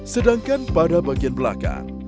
sedangkan pada bagian belakang